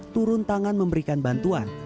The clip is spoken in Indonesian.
turun tangan memberikan bantuan